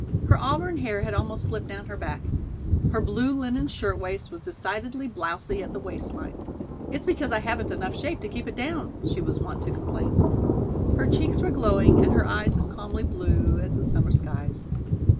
Her auburn hair had almost slipped down her back. Her blue linen shirtwaist was decidedly blousey at the waist line. "It's because I haven't enough shape to keep it down," she was wont to complain. Her cheeks were glowing and her eyes as calmly blue as the summer skies.